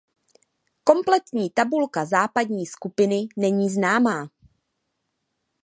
Kompletní tabulka západní skupiny není známá.